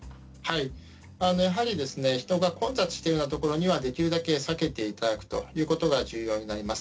やはり人が混雑しているようなところはできるだけ避けていただくことが重要になります。